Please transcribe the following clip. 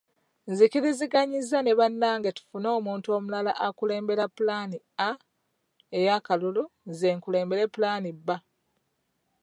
Nzikiriziganyizza ne bannange tufune omuntu omulala akulembera pulaani A ey’akalulu nze ngenda kukulembera pulaani B.